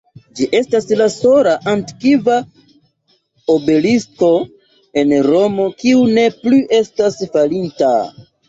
Ĝi estas la sola antikva obelisko en Romo, kiu ne plu estas falinta.